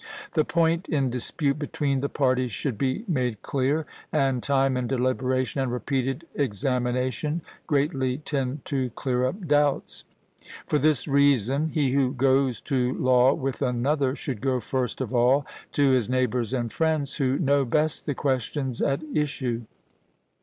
The point in dispute between the parties should be made clear; and time, and deliberation, and repeated examination, greatly tend to clear up doubts. For this reason, he who goes to law with another, should go first of all to his neighbours and friends who know best the questions at issue.